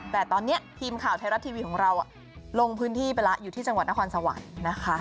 แต่ตอนนี้ทีมข่าวไทยรัฐทีวีของเราลงพื้นที่ไปแล้วอยู่ที่จังหวัดนครสวรรค์นะคะ